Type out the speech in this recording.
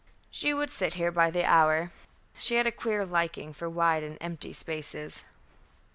"She would sit here by the hour. She had a queer liking for wide and empty spaces."